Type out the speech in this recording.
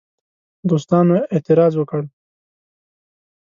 دوستانو اعتراض وکړ.